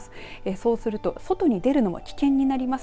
そうすると外に出るのは危険になります。